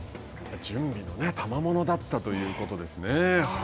準備のたまものだったということなんですね。